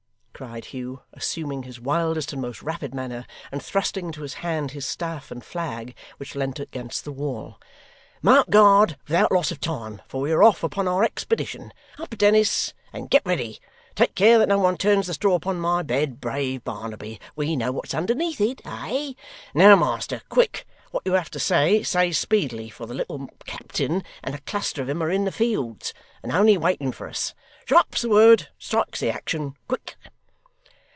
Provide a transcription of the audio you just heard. cried Hugh, assuming his wildest and most rapid manner, and thrusting into his hand his staff and flag which leant against the wall. 'Mount guard without loss of time, for we are off upon our expedition. Up, Dennis, and get ready! Take care that no one turns the straw upon my bed, brave Barnaby; we know what's underneath it eh? Now, master, quick! What you have to say, say speedily, for the little captain and a cluster of 'em are in the fields, and only waiting for us. Sharp's the word, and strike's the action. Quick!